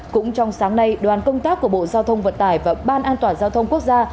cũng trong sáng nay đoàn công tác của bộ giao thông vận tải và ban an toàn giao thông quốc gia